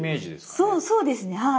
そうそうですねはい。